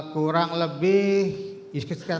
kurang lebih sekitar satu menit